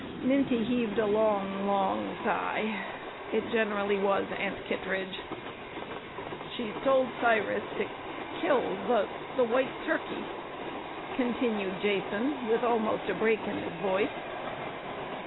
Minty heaved a long, long sigh. It generally was Aunt Kittredge. "She's told Cyrus to kill the the white turkey!" continued Jason, with almost a break in his voice.